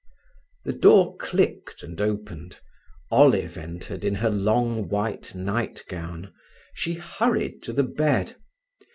The door clicked and opened: Olive entered in her long white nightgown. She hurried to the bed.